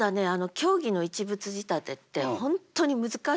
狭義の一物仕立てって本当に難しい。